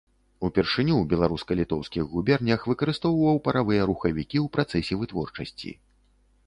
Упершыню ў беларуска-літоўскіх губернях выкарыстоўваў паравыя рухавікі ў працэсе вытворчасці.